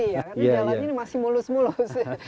kebanyakan orang orang di kabupaten ini masih mulus mulus